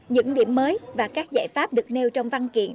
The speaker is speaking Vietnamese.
những điểm mới và các giải pháp được nêu trong văn kiện